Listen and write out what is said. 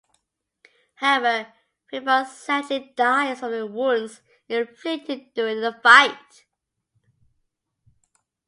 However, Finnbarr sadly dies from the wounds inflicted during the fight.